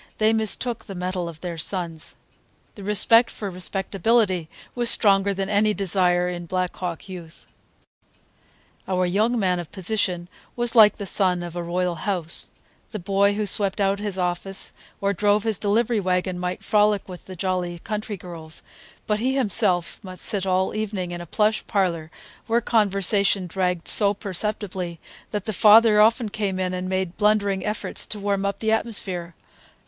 They mistook the mettle of their sons. The respect for respectability was stronger than any desire in Black Hawk youth. Our young man of position was like the son of a royal house; the boy who swept out his office or drove his delivery wagon might frolic with the jolly country girls, but he himself must sit all evening in a plush parlor where conversation dragged so perceptibly that the father often came in and made blundering efforts to warm up the atmosphere.